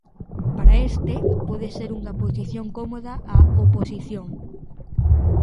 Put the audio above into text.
Para este, pode ser unha posición cómoda a oposición.